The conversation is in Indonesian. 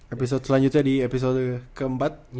episode selanjutnya di episode keempat